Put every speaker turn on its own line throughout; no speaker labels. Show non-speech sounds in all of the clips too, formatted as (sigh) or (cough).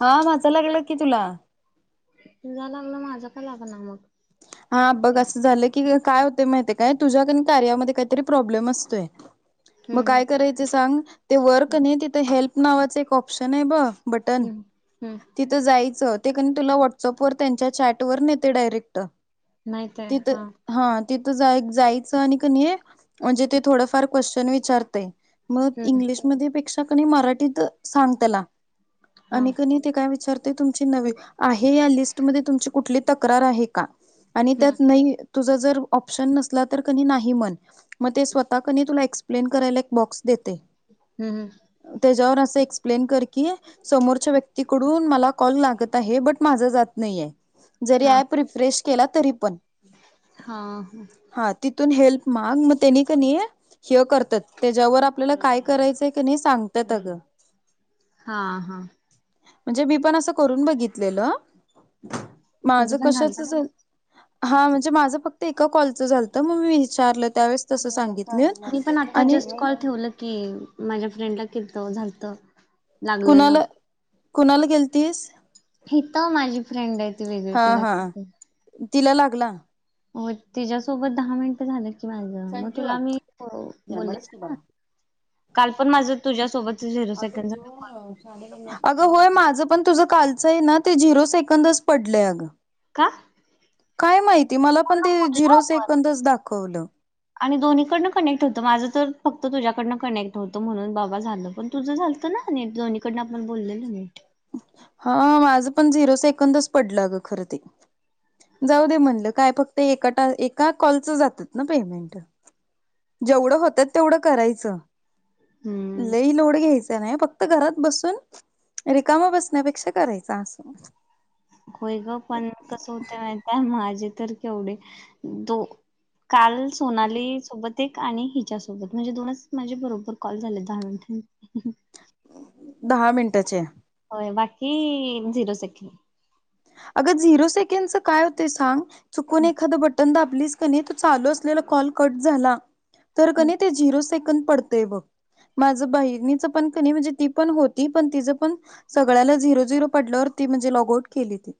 हा माचा ला गेला की तुला
तु जाा लागलं माझं काय झाग ना मग
हा बघ
हम्म
असं झालं की काय होते माहि काय तुझ्या कार्यामध्ये काहीतरी प्रॉब्लेम असतय मग
हम्म
काय करायच सांग ते वर्क नाही तिथं हेल्प नावाच एक ऑप्शन आहे ब बटन
हम्म हम्म
तिथं जायच ते क तुला व्हॉट्सअप व त्यांच्या चॅट व नेते डायरेक्ट
नाहीतय हा
तिथ जायचं आणि म्हणजे ते थोडंफार क्वेश्चन विचारतय मग
हम्म
इंग्लिश म पेक्षा क मराठीत सांग त्याला
हा
आणि क ते काय विचार तुम नवी आहे या लिस्टमध्ये तुमची कुठली तक्रार आहे का आणि
हम्म
त्यात नाही तुझ ज शन नसला तर म स् तु ए् क ते
हम्म
ते जहर एक्सप्लेन कर की समोरच्या व्यक्तीकडून मला कॉल लागत आहे ब माझ जात नाही आहे
हा
जरी्रेश के तरी पण
हा
ह तून महाग म तेनी करनी आहे ह्य करतात त्याच्यावर आपल्याला काय करायचंय की नाही सांगतात अगं
हा हा
म्हणजे मी पण अस करून बघितलेलं माझ
तुझं पण झालत
कशच
का
हा म्हणजे माझं फक्त एका कॉलचं झालत मग मी विचारलं त्यावेळेस तसं सांगित
मी पण आता जस्ट कॉल ठेवलं की माझ्या फ्रेंडला कि झारत लागलेल
कुणाला कुणाला गेल तस
ह तर माझी फ्रेंड आहे ती वेगळ
हा
तिला क
हा
तर
तिला लागला
हो तिच्यासोबत दहा मिनिट झाले माझ मग तुला मी बोलले काल पण माझ तुझ्यासोबत झिरो
अग
सेकंड झाला कॉल
अगं होय माझं पण तुझं कालचं आहे ना ते झिरो सेकंदच पडलंय अगं
का
काय माहिती मला पण
पूर्ण
ते
बोललो
झिरो
आपण
सेकंदच दाखवलं
आणि दोन्हीकडनं कनेक्ट होतं माझं तर फक्त तुझ्या ड कनेक्ट होतं म्हणून बाबा झालं पण तुझं झालतं ना दोननीकडनं आपण बोललेलंी
हा माझं पण झिरो सेकंदच पडलं गं खर ते जाऊ दे म्हणलं काय फक्त एका एका कॉलचं जातात ना पेमेंट जेवढं होतात तेवढं करायचं
हम्म
लई लोड घ्यायचं नाही फक्त घरात बसून रिकामा बसण्यापेक्षा करायचा असून
होय ग पण कसं होत मा माझ वढ काल सोली सोबत प्रत्येक आणि हिच्या सोबत म्हणजे दोनच माझे बरोबर कॉल झाले दहा मिनिटां
दहा मिनटाचे
बाकी झिरो सेकंड
अग झीरो सेकंड च काय होत सांग चुकून एखाद बटन दा क पडते बग माझ बहिणीच पण म्हणजे ती पण होती पण ति पण सगळ्याला झीरो झिरो पडल्याल ती म्हणजे लॉगआउट केली ती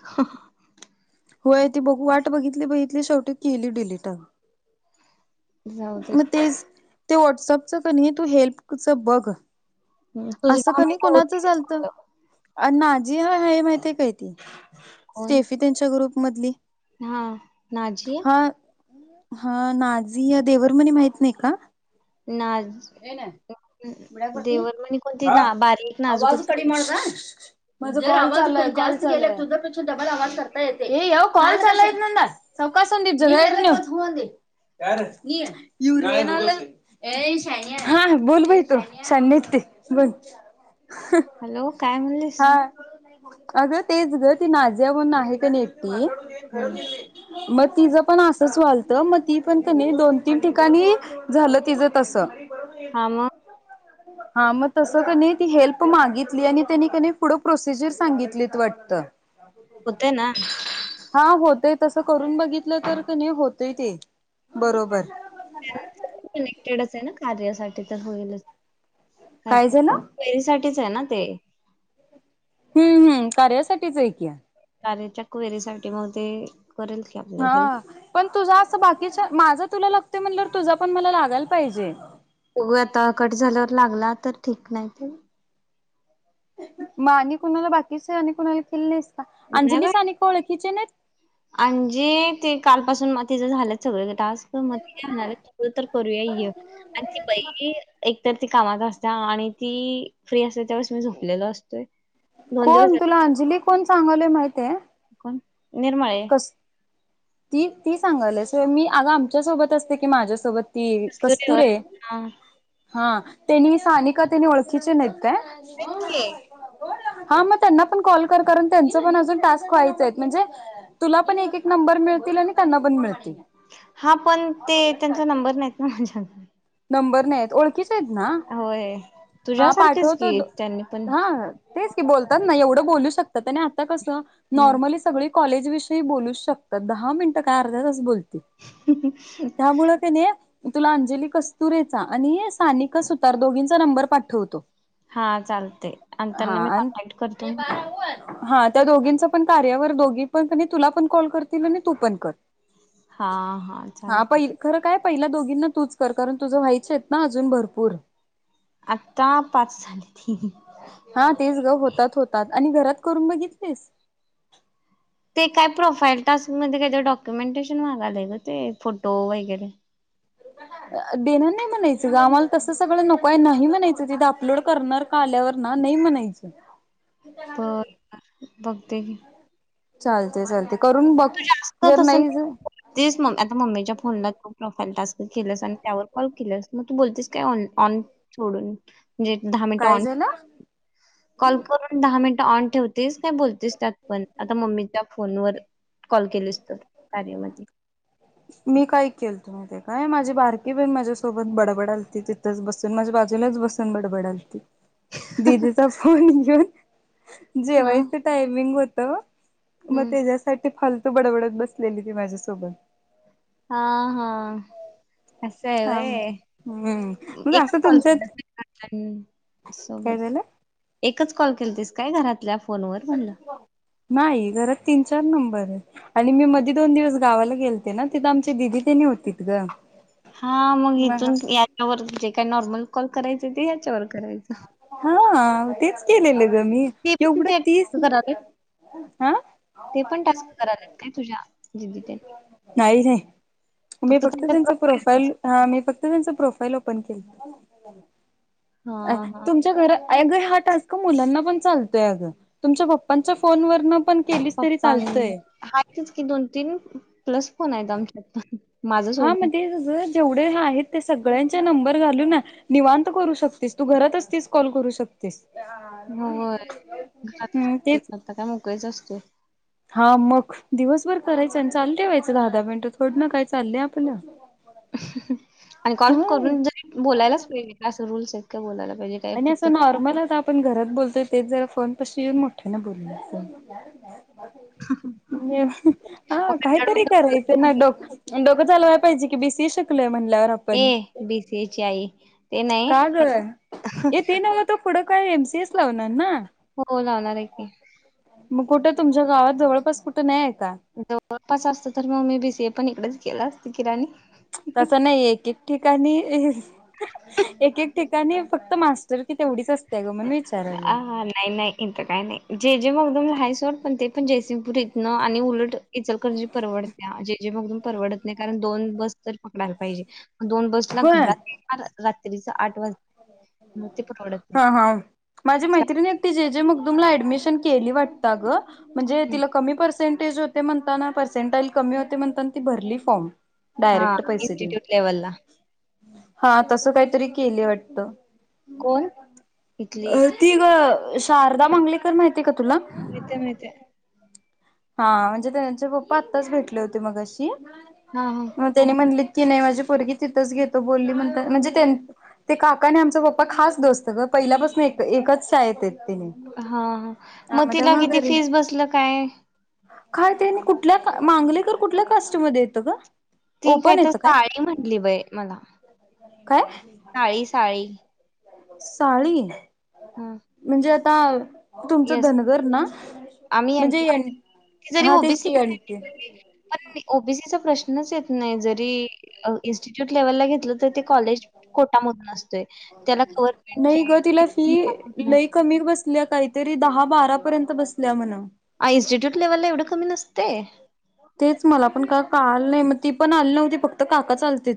ह
होय ती बघून वाट बघितली बघितली शेवटी केली डिलीट अ
जाऊ दे
मग ते ते व्हाट्सअपच कणी तू हेल्पच बघ
हं, तुझे
असं
दहा
कनी
मिनिटं
कोणाच
होतीच
चालत
मला.
हा जिया माहिती आहे काहि ती
कोण
स्टेफी त्यांच्या ग्रुप मधली
हा नाझिया
हा हा नाझीया देवरमनी माहीत नाही का?
ना म्हणे कोणती ना बारीक नाजूक होती ती.
(inaudible) (inaudible) (inaudible) (inaudible) (inaudible)
हॅलो काय म्हणलीस
हा अगं तेच ग ती नाजिया म्हणून आहे का नाही
हम्म
एकटी मग तिचं पण असंच वालतं मग ती पण क नाही दोन तीन ठिकाणी झालं तिचं तस
हा मग
हा मग तस का नाही ती हेल्प मागितली आणि त्यांनी पुढं प्रोसिजर सांगितलीत वाटतं
होते ना.
हा होते तस करून बघितलं तर क नाही होतय ते बरोबर
कार्यासाठी तर होईल का
काय झालं?
च आहे ना ते
हम्म हम कार्यासाठीच ऐकि
(inaudible) आपल्याला
हा
हेल्प.
पण तुझ अस बाकीच माझा तुला लागते म्हणलं तुझा पण मला लागायला पाहिजे
होघ आता कट झाल्यावर लागला तर ठीक नाही ते
म आणि कुणाला बाकीच आणि कुणाला केलं नाहीस का?
नाही
अंजलीच आणि
बाई
का ओळखीचे नाहीत?
आज ते कालपासून म तिचं झालंत सगळे (unintelligible) तर ती कामात असते आणि ती फ्री असते त्यावेळेस मी झोपलेलो असतो
कोण तुला अंजली कोण सांगवले माहित आहे
निर्मळ आहे
ती ती सांगत आहेस होय अग आमच्या सोबत असते की माझ्यासोबत ती
कस्तुरी होय
कस्तूरी आहे
हा.
हा त्यांनी सानिका त्यांनी ओळखीचे नेत काय हा मग त्यांना पण कॉल कर कारण त्यांच पण अजून टास्क व्हायचं आहे म्हणजे तुला पण एक एक नंबर मिळतील आणि त्यांना पण मिळतील
हा पण ते त्यांचा नंबर नाहीत ना माझ्या
नंबर नाही आहेत ओळखीच आहेत ना
होय
हा
तुझ्यासारखेच
पाठवतो
की त्यांनी पण
हा तेच की बोलतात ना एवढं बोलू शकतात आणि आता कसं
हम्म
नॉर्मली सगळी कॉलेज विषयी बोलू शकतात दहा मिनट काय अर्धातं बोलत त्यामुळ का नाही तुला अंजली कस्तुरेचा आणि सानिकसतार दोघींचा नंबर पाठवतो
हा चालते आणि
हा
त्यांना मी
आणि
कॉन्टॅक्ट करतो
हा त्या दोघींचा पण कार्यावर दोघी पण तुला पण कॉल करतील आणि तू पण कर
हा हा चालते
पहि खरं काय पहिला दोघींना तूच कर कारण तुझं व्हायच आहेत ना अजून भरपूर
आत्ता पाच झाली ती
हा तेच ग होतात होतात आणि घरात करून बघितलेस
ते काय प्रोफाईल टास्क मध्ये काहीतर डॉक्युमेंटेशन मागालेय ग ते फोटो वगैरे.
(inaudible) देणार नाही म्हणायचं ग आम्हाला तस सगळं नको आहे. नाही म्हणायचं तिथे अपलोड करणार का आल्यावर. ना नाही म्हनायच.
भकत्यी
चालते चालते. करून बघ जर
तसं
नाही ज.
तेच आता मम्मीच्या फोनला तू प्रोफाईल टास्क केलंस आणि त्यावर कॉल केलंस. मग तू बोलतेस काय न ऑन, सोडून. म्हणजे दहा मिनिटं
काय
ऑन
झालं
कॉल करून दहा मिनिटं ऑन ठेवतेस. नाही बोलतेच त्यात्, पण आता मम्मीच्या फोनवर कॉल केलीस तर, कार्यामध्ये
मी काय केलतो माहितय काय माझी बारकी भहिण माझ्यासोबत बडाबडा लती तिथंच बसून माझ्या बाजीऽऽ बाजुलाच बसुन बडबडालती. दिजेचा फोन घेऊन
हम्म
जेवायचं टायमिंग होत. मग
हम्म
त्याच्यासाठी फालतू बडबडत बसलेली ती माझ्यासोबत.
हाऽ हाऽ असं आहे
हा
वय,
हम्म मग
एकच
असं
कॉल
तुमच्यात
केलासक सोबत,
काय झालं
एकच कॉल केल तस काय घरातल्या. फोनवर म्हणलं
नाही घरात तीन चार नंबर आहेत. आणि मी मधी दोन दिवस गावाला गेलते ना तिथं आमचे दिदी त्यांनी होतीत ग.
हा मग इथून याच्यावर जे काय नॉर्मल कॉल करायचे ते याच्यावर. करायचं
हा ऽऽतेच केलेलं ग मी,
ते पण ते
एवढं तीस.
करालेत
हा
ते पण टास्क कराव लागतय काय तुझ्या दिदीतन.
नाही नाही मी फक्त त्यांच प्रोफाईल, हा मी फक्त त्यांच प्रोफाईल ऒपन पन केल,
हा
अ
हा
ऽऽतुमच्या घरात. अग हा टास्क मुलांना पण चालतोय अगं, तुमच्या पप्पांच्या फोन वरन पण. केलीस तरी
पप्पा
चालतंय
आहेतच कि दोन, तीन प्लस फोन आहेत आमच्यात पण. माझं
हा म
सोडून.
तेच ग ेवढे आहेत ते सगळ्यां. नबंर घालून निवांत करू शकतीस, तू घरात असतीस कॉल करू शकतीस.
होय, घरात च
हम्म
असतोय
तेच
की, आता काय मोकळीच असतोय.
हा मग दिवसभर करायचं, आणि चाल ठेवायचं दहा, दहा मिनटं थोड ना काय चाललंय आपला.
आणि कॉल करून ज बोलायलाच मिळेल का अस रूल्स आहेत का बोलायला. पाहिजे काय
आणि
फक्त
असं नॉर्मल आता आपण घरात बोलतोय. तेच जरा फोन पशी येऊन मोठे ना बोलायच हा,, काहीतरी करायचं ना डोकंऽऽ चालवाय पाहिजे की बि सी ई शीकलोय म्हण.
A B C H I. ते नाही
का ग, ये ते नव तू पुढं काय एमसीएस लावणार ना.
हो लावणार आहे की.
मग कुठं तुमच्या गावात जवळपास कुठं नाही. का
जवळपास असत तर मम्मी बीसी आहे पण इकडेच केलं असते कि राणी.
तस नाही एक, एक ठिकाणी एक एक ठिकाऽऽ आणि फक्त मास्टर की तेवढीच असते ग म्हण मी.
अ हा नाही नाही इथं काय नाही जे जे मगऽऽ लय हाय सोड, पण ते पण जयसिंगपूर इथनं आणि उलट इचल करंजी परवडत्या, जे जे मगम परवडतऽऽ कारण दोन बस तर पकडयला पाहिजे. दोन बसला
होय
घरात रात्रीच आठ वाजता म ते. परवडत नाही.
हा हा माझी मैत्रिणी एक ती े जे मग तुमला ऍडमिशन केली वाटत ग. म्हणजे
हं,
तिला कमी पर्सेंटेज होते, म्हणताना पर्सेंटाईल कमी होते म्हणता ती भरली फॉर्म.
हा
डायरेक्ट पैसे देऊन
इन्स्टिट्यूट लेव्हलला
हा तस काहीतरी केले वाटत (inaudible)
कोण- इथली
ती ग शारदा मांगलेकर माहिती- का तुला-
माहितीये माहितीये
हा म्हणजे त्यांचे पप्पा आत्ताच भेटले होते मग अशी
हा हा
मग त्यानी म्हणली (inaudible) की नाही माझी परगी तिथंच घेतो बोलली म्हण म्हणजे ते काका आणि आमचा पप्पा खास दोसत ग (inaudible) पहिल्यापासून एक एकच शाळेतेत
हा मग तिला किती
घरी
फीस बसल काय
काय ते कुठल्या मांगलीकर कुठल्या कास्टमध्येध्ये येतं ग
ती काय
ओपन
तर
येतं
साळी म्हटली बाय मला
काय
साळी साळी-
साळी-
हम्
आ तुमचं धनगर ना
आम्ही
म्हणजे
एनटी ती जरी
हा
ओबीसी
तेचकी म्हते
पण ओ-बी-सीचा प्रश्नच येत नाही जरी इन्स्टिट्यूट लेव्हल ला घेतलं तर ते कॉलेज कोटामधून असतं
नाही ग तिला फी लई कमी बसल्यात काहीतरी दहा बारा पर्यंत बसल्या म्हणा
ते
तेच मला पण का कालं नाही मग ती पण आली नव्हती फक्त काका चालते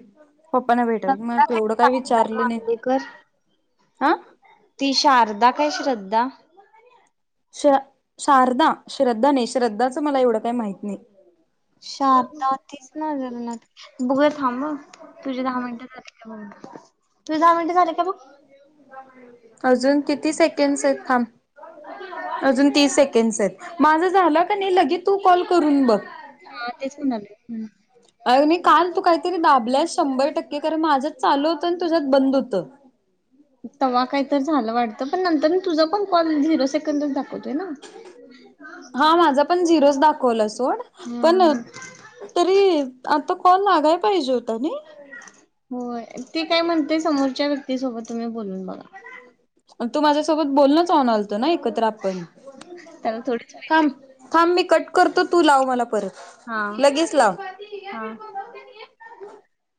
पप्पाना भेटल मग
श्रद्धा काय
तेवढं काही
शारदा
विचारलं नाही
मामलेकर
हा.
ती शारदा काय श्रद्धा-
श शारदा श्रद्धाने श्रद्धाचं मला एवढं काही माहत नाही-
शारदातीस नाजर ना ब (inaudible) थांब तुझी दहा मिनिटं झाले का तुझ दहा मिनिटं झाले का बघ
अजून किती सेकंडस आहेत थांब (inaudible) अजून तीस सेकंडस आहेत माझं झाला का नाही लगे तू कॉल करून बघ (inaudible)
हा तेच म्हन आले (inaudible)
अर नाही काल तू काय- दाबल्या शंबर टक्के कारण माझ चालू होत आणि तुझ्यात बंद होत (inaudible)
त काही तर झालं वाटत पण नंतर तुझ पण कॉल झिरो सेकंडा (inaudible) होत ना-
आपण झिरो दाखवला सोड
हा
पण
मग
तरी आता काॅल लागाय पाहिजे (inaudible) तनी (inaudible)
होय ते काय म्हणते समोरच्या व्यक्तीसोबत तुम्ही बोलून बघा-
तू माझ्यासोबत बोलण चन आलत ना एकत्र आपण
त्याला थोडीच
थांब थांब मी- कट करतो तू लाव मला परत (inaudible)
हा
लगेच लाव
-हा (inaudible)